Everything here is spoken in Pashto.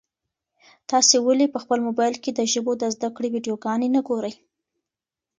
تاسي ولي په خپل موبایل کي د ژبو د زده کړې ویډیوګانې نه ګورئ؟